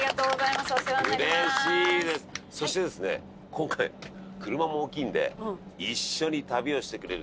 今回車も大きいので一緒に旅をしてくれるですね